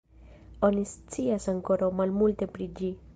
Oni scias ankoraŭ malmulte pri ĝi.